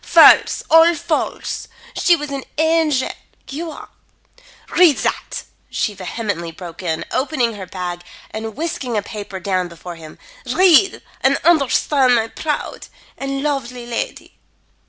false! all false! She was an angel. You are read that!" she vehemently broke in, opening her bag and whisking a paper down before him. "Read and understand my proud and lovely lady.